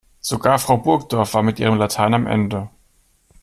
Sogar Frau Burgdorf war mit ihrem Latein am Ende.